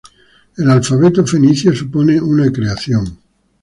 El alfabeto fenicio supone una creación.